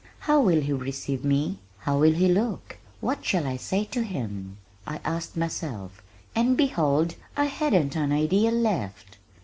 "How will he receive me? How will he look? What shall I say to him?" I asked myself, and behold I hadn't an idea left!